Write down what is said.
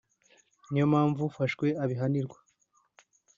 niyo mpamvu ufashwe abihanirwa